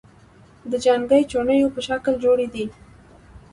د جنگې چوڼیو په شکل جوړي دي،